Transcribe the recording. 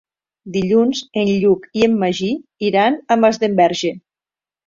Dilluns en Lluc i en Magí iran a Masdenverge.